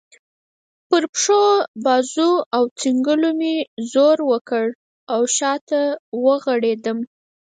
پر پښو، بازو او څنګلو مې زور وکړ او شا ته ورغړېدم.